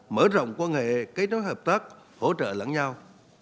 mở rộng quan hệ kết nối hợp tác hỗ trợ lẫn nhau